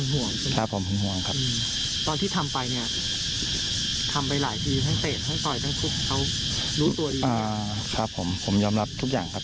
ฮูงหวงครับครับเหรอครับผมฮึงหวงครับ